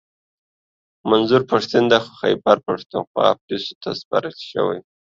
منظور پښتین د خیبرپښتونخوا پوليسو ته سپارل شوی دی